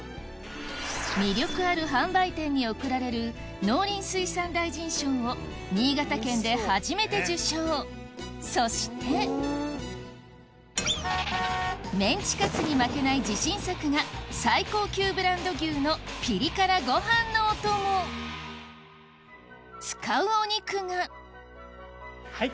魅力ある販売店に贈られる農林水産大臣賞を新潟県で初めて受賞そしてメンチカツに負けない自信作が使うお肉がはい